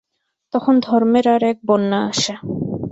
তখন ধর্মের আর এক বন্যা আসে।